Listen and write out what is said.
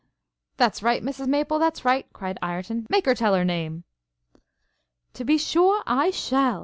'That's right, Mrs Maple, that's right!' cried Ireton; 'make her tell her name!' 'To be sure I shall!'